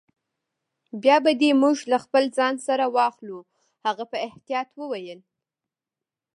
بیا به دي موږ له خپل ځان سره واخلو. هغه په احتیاط وویل.